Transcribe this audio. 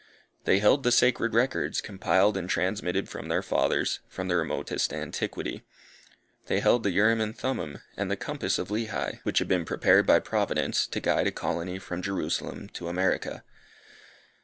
They held the sacred records, compiled and transmitted from their fathers, from the remotest antiquity. They held the Urim and Thummim, and the compass of Lehi, which had been prepared by Providence, to guide a colony from Jerusalem to America.